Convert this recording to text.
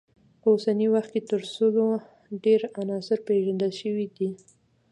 په اوسني وخت کې تر سلو ډیر عناصر پیژندل شوي دي.